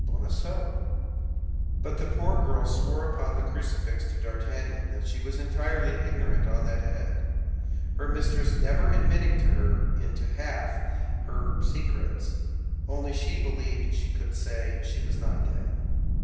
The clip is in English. Bonacieux; but the poor girl swore upon the crucifix to D'Artagnan that she was entirely ignorant on that head, her mistress never admitting her into half her secrets—only she believed she could say she was not dead.